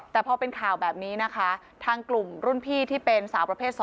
แต่พอเป็นข่าวแบบนี้นะคะทางกลุ่มรุ่นพี่ที่เป็นสาวประเภท๒